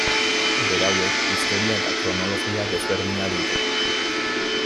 Berauek historia eta kronologia desberdina dute.